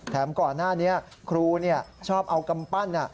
ก่อนหน้านี้ครูชอบเอากำปั้น